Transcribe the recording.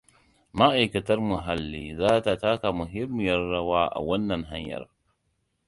Ma'aikatar Muhalli zata taka muhimmiyar rawa a wannan hanyar.